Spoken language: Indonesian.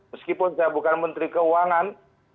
meskipun saya bukan menteri keuangan